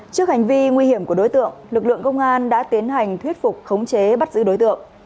trước hành vi nguy hiểm của đối tượng lực lượng công an đã tiến hành thuyết phục khống chế bắt giữ đối tượng